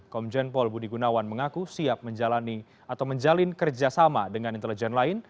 komjen paul budi gunawan mengaku siap menjalani atau menjalin kerjasama dengan intelijen lain